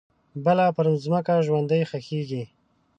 بله پرمځکه ژوندۍ ښخیږې